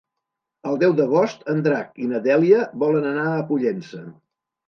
El deu d'agost en Drac i na Dèlia volen anar a Pollença.